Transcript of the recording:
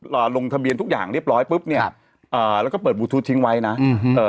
ลงทะเบียนทุกอย่างเรียบร้อยปุ๊บเนี้ยครับเอ่อแล้วก็เปิดบลูทูธทิ้งไว้นะอืมเอ่อ